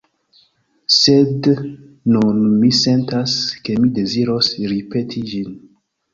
Sed nun mi sentas, ke mi deziros ripeti ĝin.